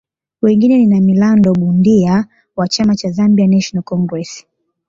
Wengine ni Namilando Mundia wa chama cha Zambia National Congress